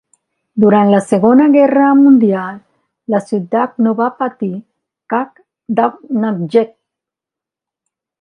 Durant la Segona Guerra Mundial, la ciutat no va patir cap damnatge.